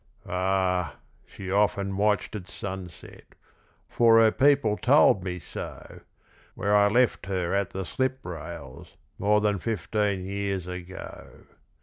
Ah! she often watched at sunset For her people told me so Where I left her at the slip rails More than fifteen years ago.